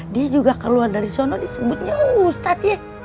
dia juga keluar dari sono disebutnya ustadz ya